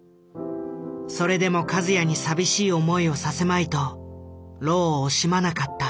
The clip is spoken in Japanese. それでも和也に寂しい思いをさせまいと労を惜しまなかった。